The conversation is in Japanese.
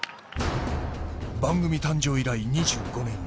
番組誕生以来２５年。